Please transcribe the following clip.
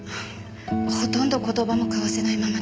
ほとんど言葉も交わせないままで。